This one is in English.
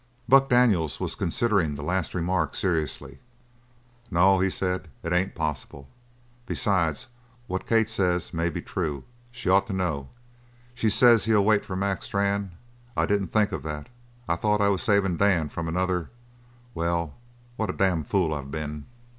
Buck Daniels was considering the last remark seriously. "No," he said, "it ain't possible. Besides, what Kate says may be true. She ought to know she says he'll wait for Mac Strann. I didn't think of that; I thought I was savin' Dan from another well, what a damn fool I been!"